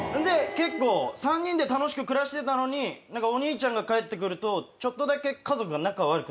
結構３人で楽しく暮らしてたのにお兄ちゃんが帰って来るとちょっとだけ。